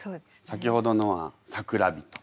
先ほどのは「桜人」。